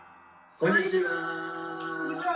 こんにちは。